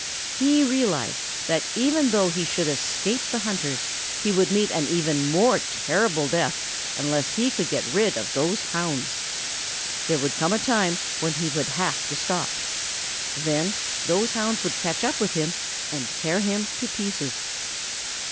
He realized that even though he should escape the hunters he would meet an even more terrible death unless he could get rid of those hounds. There would come a time when he would have to stop. Then those hounds would catch up with him and tear him to pieces.